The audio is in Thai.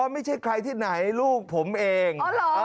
ไม่ใช่ใครที่ไหนลูกผมเอง